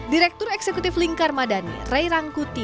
direktur eksekutif lingkar madani ray rangkuti